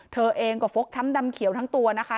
เธอเองก็ฟกช้ำดำเขียวทั้งตัวนะคะ